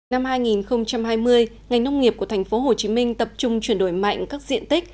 năm hai nghìn hai mươi ngành nông nghiệp của tp hcm tập trung chuyển đổi mạnh các diện tích